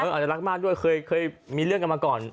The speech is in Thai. อาจจะรักมากด้วยเคยมีเรื่องกันมาก่อน